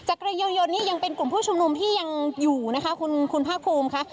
จักรยานยนต์นี่ยังเป็นกลุ่มผู้ชุมนุมที่ยังอยู่นะคะคุณพระคุมค่ะ